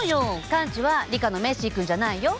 カンチはリカのメッシーくんじゃないよ。